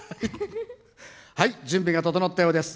準備が整ったようです。